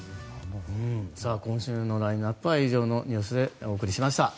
今週のラインアップは以上のニュースでお送りしました。